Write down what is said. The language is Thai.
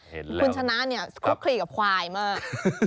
คุณชนะเนี่ยคุกขี่กับควายมาก